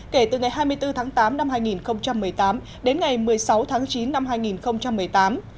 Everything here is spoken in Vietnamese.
kể từ ngày hai mươi bốn tháng tám năm hai nghìn một mươi tám đến ngày một mươi sáu tháng chín năm hai nghìn một mươi tám